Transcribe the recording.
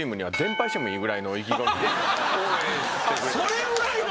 それぐらいの？